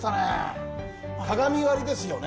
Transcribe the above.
鏡割りですよね。